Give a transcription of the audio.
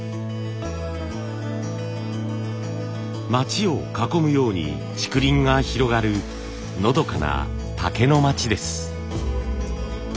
町を囲むように竹林が広がるのどかな竹の町です。